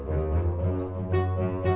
oh di mana